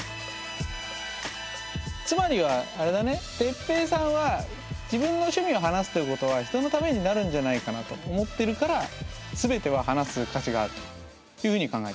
つまりはあれだねてっぺいさんは自分の趣味を話すということは人のためになるんじゃないかなと思ってるから全ては話す価値があるというふうに考えてる？